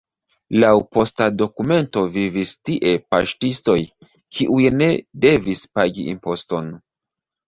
Laŭ posta dokumento vivis tie paŝtistoj, kiuj ne devis pagi imposton.